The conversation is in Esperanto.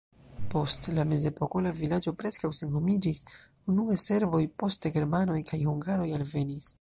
Post la mezepoko la vilaĝo preskaŭ senhomiĝis, unue serboj, poste germanoj kaj hungaroj alvenis.